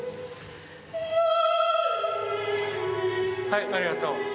はいありがとう。